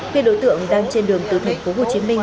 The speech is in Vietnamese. khi đối tượng đang trên đường từ thành phố hồ chí minh